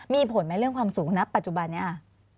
มีผลไหมเรื่องความสูงนะปัจจุบันนี้